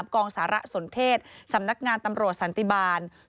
กองสารสนเทศสำนักงานตำรวจสันติบาล